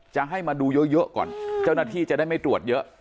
จะให้มาดูเยอะก่อนเจ้าหน้าที่จะได้ไม่ตรวจเยอะ